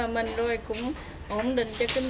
mình rồi cũng ổn định cho kinh tế